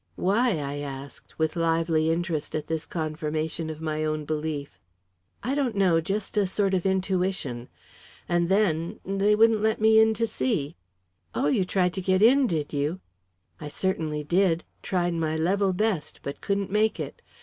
"Why?" I asked, with lively interest at this confirmation of my own belief. "I don't know just a sort of intuition. And then they wouldn't let me in to see." "Oh you tried to get in, did you?" "I certainly did tried my level best, but couldn't make it.